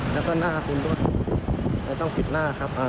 แล้วก็หน้าคุณด้วยแล้วต้องปิดหน้าครับ